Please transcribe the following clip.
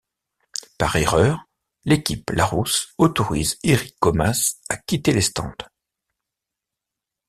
Par erreur, l'équipe Larrousse autorise Érik Comas à quitter les stands.